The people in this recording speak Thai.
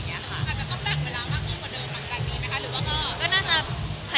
อาจจะต้องแปลกเวลามากกว่าเดิมหรือเปล่า